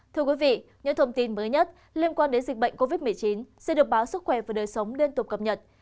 thưa quý vị những thông tin mới nhất liên quan đến dịch bệnh covid một mươi chín sẽ được báo sức khỏe và đời sống liên tục cập nhật